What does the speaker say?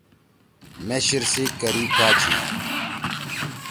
مے شیِر سی کَری کا چھی؟